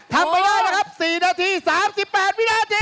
ทำไปได้นะครับ๔นาที๓๘วินาที